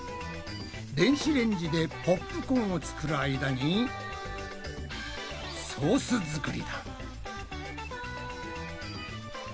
電子レンジでポップコーンを作る間にソース作りだ。